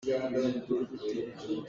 Pathian nih mal a kan sawm.